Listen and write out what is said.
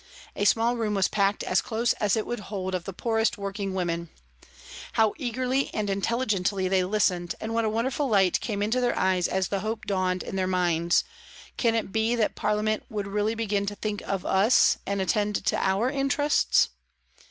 A small room was packed as close as it would hold of the poorest working 236 PRISONS AND PRISONERS women. How eagerly and intelligently they listened, and what a wonderful light came into their eyes as the hope dawned in their minds :" Can it be that Parliament would really begin to think of us and attend to our interests